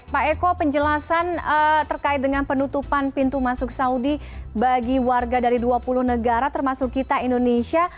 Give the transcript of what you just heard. pak eko penjelasan terkait dengan penutupan pintu masuk saudi bagi warga dari dua puluh negara termasuk kita indonesia